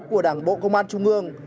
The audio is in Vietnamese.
của đảng bộ công an trung ương